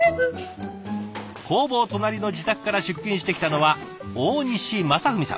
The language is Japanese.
工房隣の自宅から出勤してきたのは大西正文さん。